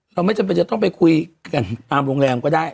ไม่จำเป็นจะต้องไปคุยกันตามโรงแรมก็ได้